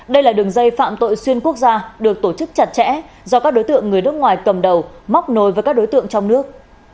đây là đường dây phạm tội xuyên quốc gia được tổ chức chặt chẽ do các đối tượng người nước ngoài cầm đầu móc nối với các đối tượng trong nước